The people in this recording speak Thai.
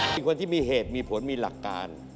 เป็นคนที่มีเหตุมีผลมีหลักการ